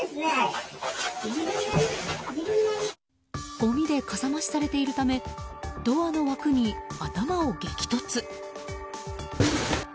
ごみでかさ増しされているためドアの枠に頭を激突。